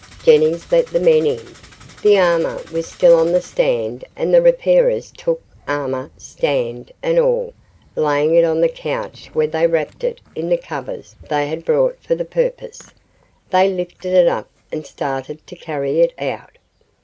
Jennings let the men in. The armor was still on the stand and the repairers took armor, stand, and all, laying it on the couch where they wrapped it in the covers they had brought for the purpose. They lifted it up and started to carry it out.